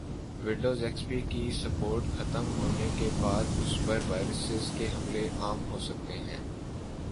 Windows X P کی support ختم ہونے کی بعد اس پر وائرسز کے حملے عام ہوسکتے ہیں